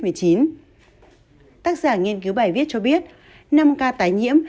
tác giả nghiên cứu bài viết cho biết năm ca tái nhiễm